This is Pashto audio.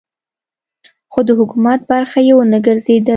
خو د حکومت برخه یې ونه ګرځېدلم.